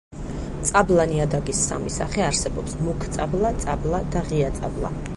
წაბლა ნიადაგის სამი სახე არსებობს: მუქ წაბლა, წაბლა და ღია წაბლა.